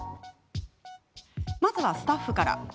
まずは、スタッフからです。